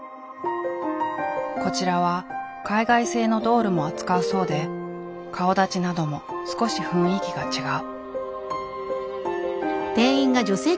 こちらは海外製のドールも扱うそうで顔だちなども少し雰囲気が違う。